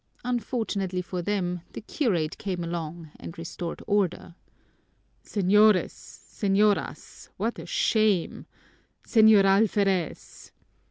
Unfortunately for them, the curate came along and restored order. "Señores! Señoras! What a shame! Señor Alferez!"